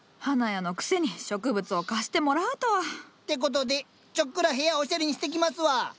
花屋のくせに植物を貸してもらうとは。って事でちょっくら部屋をおしゃれにしてきますわ！